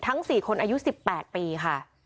ทั้ง๔คนอายุสิบแปดปีค่ะ